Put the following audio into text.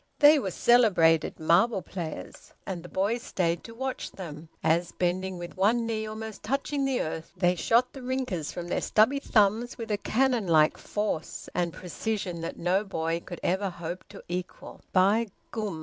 They were celebrated marble players, and the boys stayed to watch them as, bending with one knee almost touching the earth, they shot the rinkers from their stubby thumbs with a canon like force and precision that no boy could ever hope to equal. "By gum!"